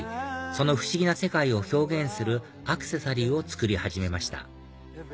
その不思議な世界を表現するアクセサリーを作り始めました